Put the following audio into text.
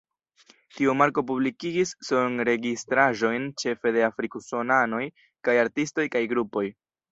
Tiu marko publikigis sonregistraĵojn ĉefe de afrik-usonanoj kaj artistoj kaj grupoj.